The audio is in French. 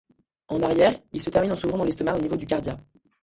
En arrière, Il se termine en s'ouvrant dans l'estomac au niveau du cardia.